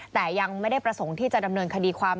แต่ยังไม่ได้ประสงค์ที่จะดำเนินคดีความ